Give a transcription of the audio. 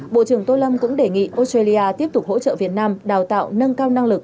bộ trưởng tô lâm cũng đề nghị australia tiếp tục hỗ trợ việt nam đào tạo nâng cao năng lực